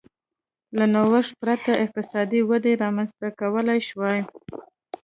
له نوښت پرته اقتصادي وده رامنځته کولای شوای.